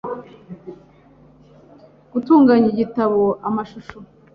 Gutunganya igitabo amashusho